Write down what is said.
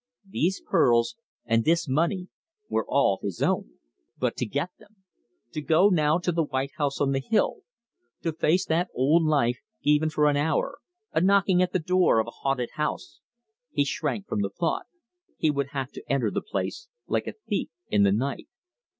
These pearls and this money were all his own. But to get them. To go now to the white house on the hill; to face that old life even for an hour, a knocking at the door of a haunted house he shrank from the thought. He would have to enter the place like a thief in the night.